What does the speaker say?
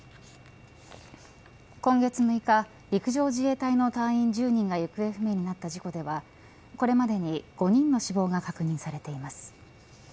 今月６日陸上自衛隊の隊員１０人が行方不明になった事故ではこれまでに５人の死亡が確認されています。